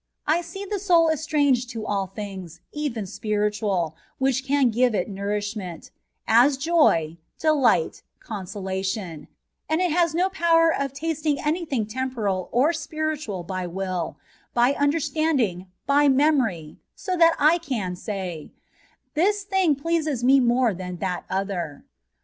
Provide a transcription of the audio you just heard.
I see the soul estranged to ali things, even spiritual, which can givo it nourishment — as joy, delight, con solation ; and it has no power of tasting any thing temporal or spiritual by will, by understanding, by memory, so that I can say, " this thing pleases me more than that other."